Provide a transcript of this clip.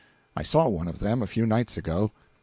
I saw one of them a few nights ago.